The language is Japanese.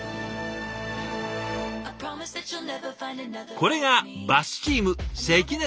これがバスチーム